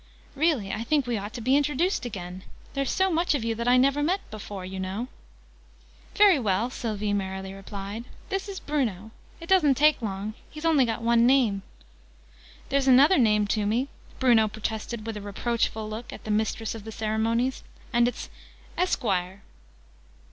"Really I think we ought to be introduced again! There's so much of you that I never met before, you know." "Very well!" Sylvie merrily replied. "This is Bruno. It doesn't take long. He's only got one name!" "There's another name to me!" Bruno protested, with a reproachful look at the Mistress of the Ceremonies. "And it's ' Esquire'!"